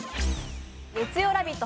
月曜「ラヴィット！」